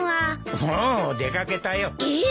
もう出掛けたよ。えっ！？